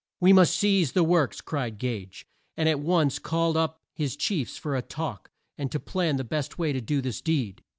"We must seize the works!" cried Gage, and at once called up his chiefs for a talk, and to plan the best way to do this deed.